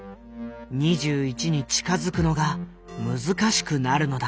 ２１に近づくのが難しくなるのだ。